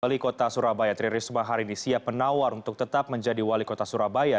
wali kota surabaya tri risma hari ini siap menawar untuk tetap menjadi wali kota surabaya